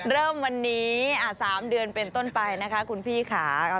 เริ่มวันนี้๓เดือนเป็นต้นไปนะคะคุณพี่ค่ะ